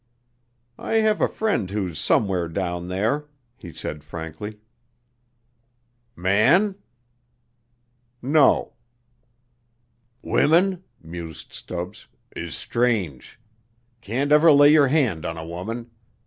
"I have a friend who's somewhere down there," he said frankly. "Man?" "No." "Women," mused Stubbs, "is strange. Can't never lay your hand on a woman.